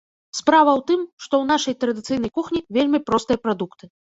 Справа ў тым, што ў нашай традыцыйнай кухні вельмі простыя прадукты.